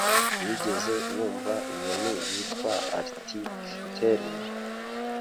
Wigeze wumva inyoni yitwa Arctic Tern?